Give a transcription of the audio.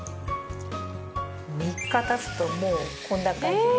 ３日たつともうこんな感じになるんです。